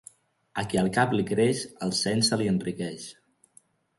A qui el cap li creix, el seny se li enriqueix.